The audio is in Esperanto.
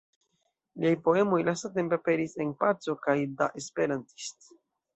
Liaj poemoj lastatempe aperis en "Paco" kaj "Der Esperantist".